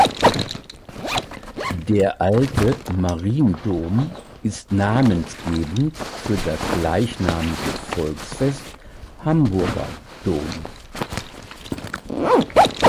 Der Alte Mariendom ist namensgebend für das gleichnamige Volksfest Hamburger Dom.